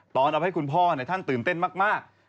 ตอนเอาให้คุณพ่อท่านตื่นเต้นมาก